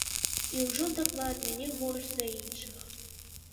І ўжо дакладна не горш за іншых.